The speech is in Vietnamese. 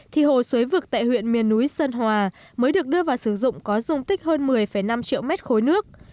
thì hồ suối vực tại huyện miền núi sơn hòa mới được đưa vào sử dụng có dung tích hơn một mươi năm triệu mét khối nước